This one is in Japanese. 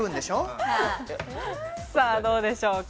さあ、どうでしょうか。